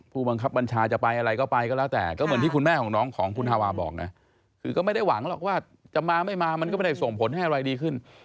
ผู้บังคับบัญชาจะไปอะไรก็ไปก็แล้วแต่ก็เหมือนที่คุณแม่ของน้องของคุณฮาวาบอกนะคือก็ไม่ได้หวังหรอกว่าจะมาไม่มามันก็ไม่ได้ส่งผลให้อะไรดีขึ้น